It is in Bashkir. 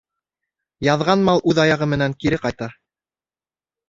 Яҙған мал үҙ аяғы менән кире ҡайта.